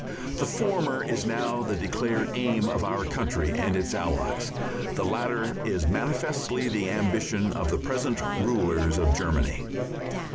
The former is now the declared Aim of our country and its Allies; the latter is manifestly the ambition of the present rulers of Germany.